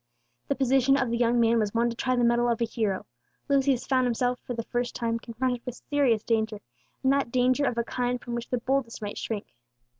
The position of the young man was one to try the mettle of a hero. Lucius found himself, for the first time, confronted with serious danger, and that danger of a kind from which the boldest might shrink.